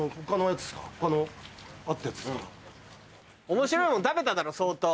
面白いもん食べただろ相当。